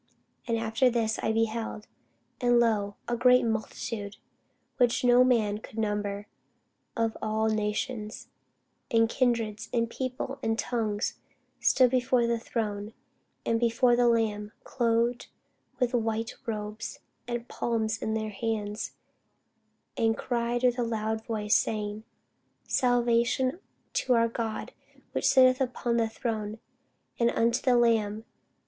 After this I beheld, and, lo, a great multitude, which no man could number, of all nations, and kindreds, and people, and tongues, stood before the throne, and before the Lamb, clothed with white robes, and palms in their hands; and cried with a loud voice, saying, Salvation to our God which sitteth upon the throne, and unto the Lamb.